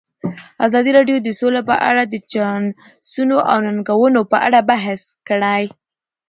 ازادي راډیو د سوله په اړه د چانسونو او ننګونو په اړه بحث کړی.